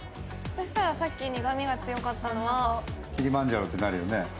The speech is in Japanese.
そしたらさっき苦みが強かったのはキリマンジャロってなるよね。